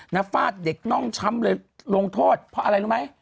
ฟาดเด็กน่องช้ำเลยลงโทษเพราะอะไรรู้ไหม